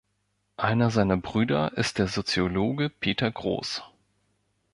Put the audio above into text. Einer seiner Brüder ist der Soziologe Peter Gross.